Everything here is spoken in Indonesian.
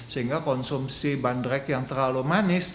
sehingga konsumsi bandrek yang terlalu manis